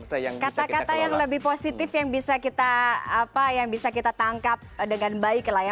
kata kata yang lebih positif yang bisa kita tangkap dengan baik lah ya